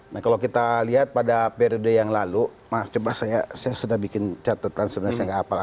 nah kalau kita lihat pada periode yang lalu mas coba saya sudah bikin catatan sebenarnya saya nggak hafal